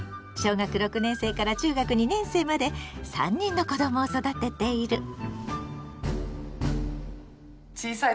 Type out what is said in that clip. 小学６年生から中学２年生まで３人の子どもを育てている。